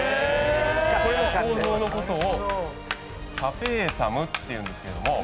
これの構造のことをタペータムっていうんですけれども。